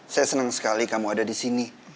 saya senang sekali kamu ada di sini